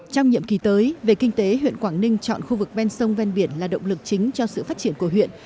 trong nhiệm kỳ tới về kinh tế huyện quảng ninh chọn khu vực ven sông ven biển là động lực chính cho sự phát triển của huyện